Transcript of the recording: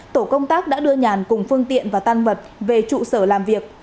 tổ công tác đã đưa nhàn cùng phương tiện và tan vật về trụ sở làm việc